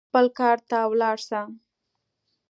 خپل کار ته ولاړ سه.